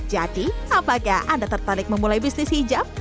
jadi apakah anda tertarik memulai bisnis hijab